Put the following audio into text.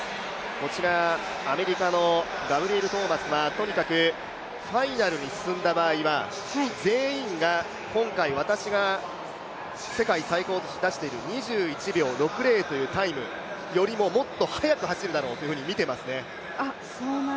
こちらアメリカのガブリエル・トーマスはとにかくファイナルに進んだ場合は全員が今回、私が世界最高を出している２１秒６０というタイムよりももっと速く走るだろうというふうにみていますね。